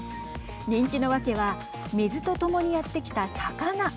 人気のわけは水と共にやってきた魚。